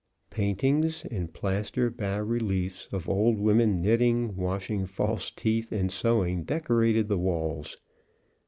Paintings and plaster bas reliefs of old women knitting, washing false teeth, and sewing, decorated the walls.